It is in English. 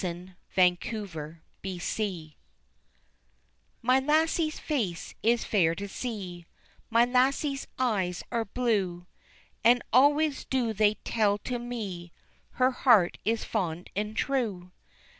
] The Rustic's Lassie My lassie's face is fair to see, My lassie's eyes are blue, And always do they tell to me Her heart is fond and true.